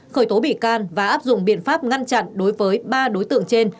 khởi tố bị can và áp dụng biện pháp ngăn chặn đối với ba đối tượng trên